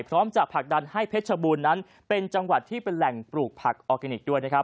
พร้อมจะผลักดันให้เพชรชบูรณ์นั้นเป็นจังหวัดที่เป็นแหล่งปลูกผักออร์แกนิคด้วยนะครับ